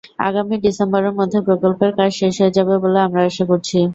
আগামী ডিসেম্বরের মধ্যে প্রকল্পের কাজ শেষ হয়ে যাবে বলে আমরা আশা করছি।